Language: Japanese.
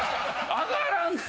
上がらんて。